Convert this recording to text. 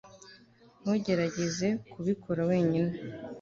ntugerageze kubikora wenyine